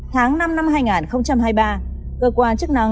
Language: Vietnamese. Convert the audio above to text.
tháng năm năm hai nghìn hai mươi ba